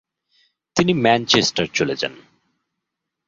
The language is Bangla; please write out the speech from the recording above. তিনি ম্যানচেস্টার চলে যান।